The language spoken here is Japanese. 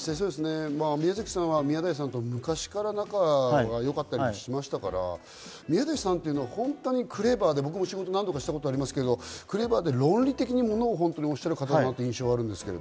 宮崎さんは宮台さんと昔から仲がよかったりしましたから、宮台さんはクレバーで私も仕事を何度かしたことありますけど、論理的に物事をおっしゃる方だなという印象があるんですけど。